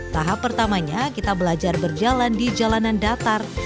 tahap pertamanya kita belajar berjalan di jalanan datar